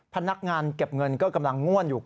พนักงานเก็บเงินก็กำลังง่วนอยู่